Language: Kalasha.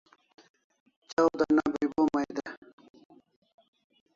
Chaw dana bribo mai de